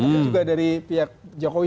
mungkin juga dari pihak jokowi